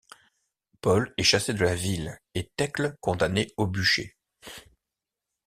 Paul est chassé de la ville et Thècle condamnée au bûcher.